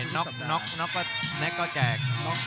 น็อกพลน็อกพลน็กพลแจก